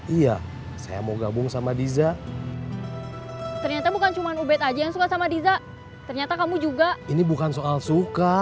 iya saya mau gabung sama diza ternyata bukan cuman ubet aja yang suka sama diza ternyata kamu juga ini bukan soal suka terserah denger dulu males